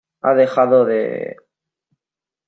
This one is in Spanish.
ha dejado de...